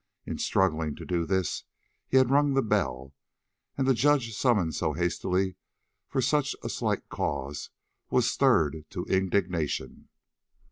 In struggling to do this, he had rung the bell, and the judge, summoned so hastily for so slight a cause, was stirred to indignation.